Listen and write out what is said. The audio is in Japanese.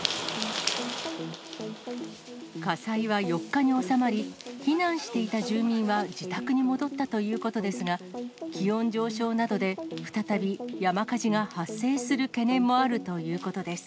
火災は４日に収まり、避難していた住民は自宅に戻ったということですが、気温上昇などで再び山火事が発生する懸念もあるということです。